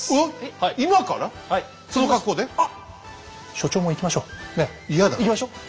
所長も行きましょう。ね。